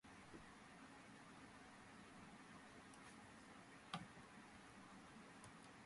ხევსურეთში რაზმის წევრებმა ერთმანეთს საზეიმოდ შეჰფიცეს, რომ მედგრად იბრძოლებდნენ საქართველოს დამოუკიდებლობის დასაბრუნებლად.